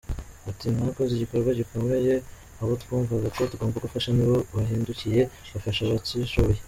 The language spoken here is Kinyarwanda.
Ati “Mwakoze igikorwa gikomeye, abo twumvaga ko tugomba gufasha ni bo bahindukiye bafasha abatishoboye.